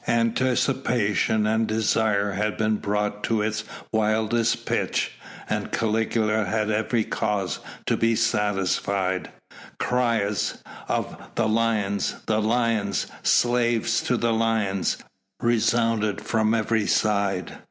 Anticipation and desire has been brought to its wildest pitch, and Caligula has every cause to be satisfied. Cries of "The lions! the lions! Slaves to the lions!" resounded from every side.